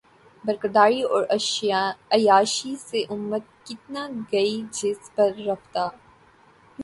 بدکرداری اور عیاشی سے امت اکتا گئ جس پر رفتہ